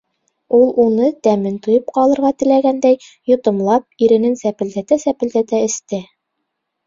Ул уны, тәмен тойоп ҡалырға теләгәндәй, йотомлап, иренен сәпелдәтә-сәпелдәтә эсте.